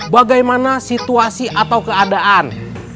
bagaimana situasi atau keadaan